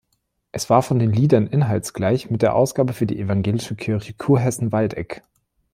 Es war von den Liedern inhaltsgleich mit der Ausgabe für die Evangelische Kirche Kurhessen-Waldeck.